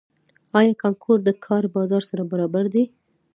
آیا کانکور د کار بازار سره برابر دی؟